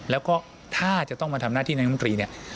แล้วก็ถ้าจะต้องมาทำหน้าที่นายมนตรีเนี่ย